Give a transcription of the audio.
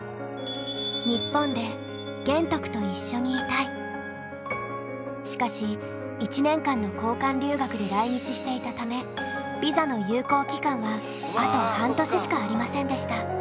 続いてはしかし１年間の交換留学で来日していたためビザの有効期間はあと半年しかありませんでした。